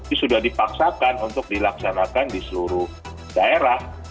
ini sudah dipaksakan untuk dilaksanakan di seluruh daerah